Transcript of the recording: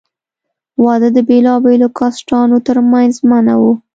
واده د بېلابېلو کاسټانو تر منځ منع وو.